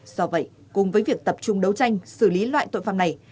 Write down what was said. do vậy cùng với việc tập trung đấu tranh xử lý loại tội phạm này